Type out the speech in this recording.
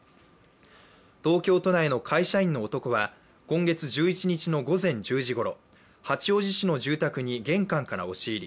東京都内の会社員の男は今月１１日の午前１０時ごろ八王子の住宅に玄関から押し入り